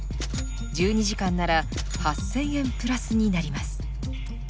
１２時間なら８，０００円プラスになります。